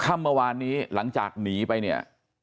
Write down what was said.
ค่ำเมื่อวานนี้หลังจากหนีไปเนี่ย